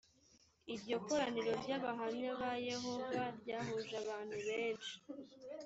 iryo koraniro ry abahamya ba yehova ryahuje abantu benshi